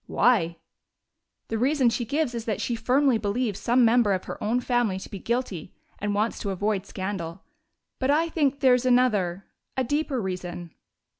"Why?" "The reason she gives is that she firmly believes some member of her own family to be guilty and wants to avoid scandal. But I think there's another a deeper reason."